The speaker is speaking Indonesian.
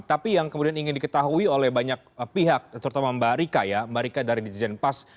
tapi yang kemudian ingin diketahui oleh banyak pihak terutama mbak rika ya mbak rika dari dirjen pas